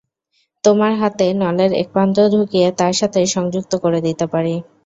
তোমার হাতে নলের এক প্রান্ত ঢুকিয়ে তার সাথে সংযুক্ত করে দিতে পারি।